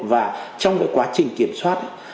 và trong quá trình kiểm soát